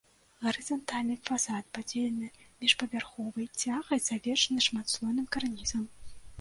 Гарызантальна фасад падзелены міжпаверхавай цягай, завершаны шматслойным карнізам.